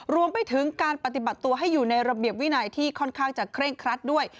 รวมไปถึงการปฏิบัติตัวให้อยู่ในระเบียบวินัยที่ค่อนข้างจะเคร่งครัดด้วย